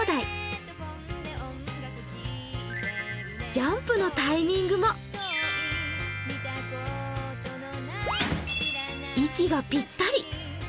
ジャンプのタイミングも、息がぴったり。